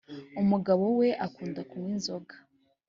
umugabowe akunda kunywa inzoga .